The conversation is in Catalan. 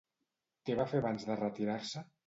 Què va fer abans de retirar-se?